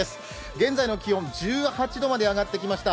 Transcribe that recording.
現在の気温１８度まで上がってきました。